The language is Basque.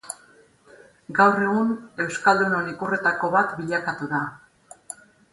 Gaur egun euskaldunon ikurretako bat bilakatu da.